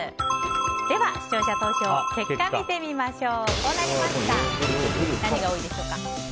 では視聴者投票結果を見てみましょう。